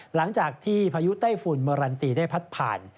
หลังจากที่พายุไต้ฝุ่นเมอรันตีได้พัดผ่าน